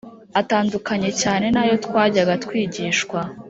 atandukanye cyane n’ayo twajyaga twigishwa